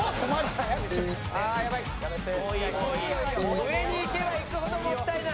上にいけばいくほどもったいない。